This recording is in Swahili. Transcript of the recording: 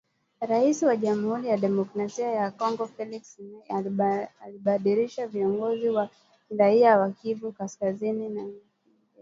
Rais wa Jamhuri ya Kidemokrasia ya Kongo Felix Thisekedi alibadilisha viongozi wa kiraia wa Kivu Kaskazini na Ituri na kuwaweka maafisa wa kijeshi